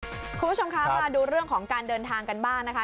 คุณผู้ชมคะมาดูเรื่องของการเดินทางกันบ้างนะคะ